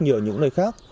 nhờ những nơi khác